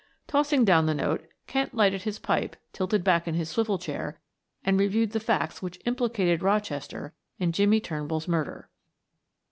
Tossing down the note, Kent lighted his pipe, tilted back in his swivel chair, and reviewed the facts which implicated Rochester in Jimmie Turnbull's murder.